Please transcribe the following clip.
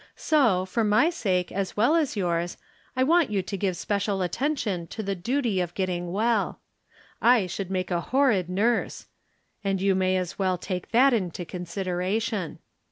So, for my sake as well as yours, I want you to give special T'rom Different Standpoints. 87 attention to the duty of getting well. I should make a horrid nurse, and you may as well take that into consideration.